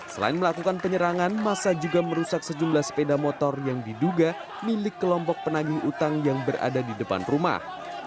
selain melakukan penyerangan masa juga merusak sejumlah sepeda motor yang diduga milik kelompok penagih utang yang berada di depan rumah